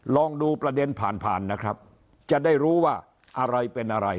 ลองดูประเด็นผ่านผ่านนะครับจะได้รู้ว่าอะไรเป็นอะไร